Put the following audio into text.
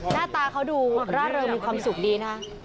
หน้าตาเขาดูร่าเริงมีความสุขดีนะ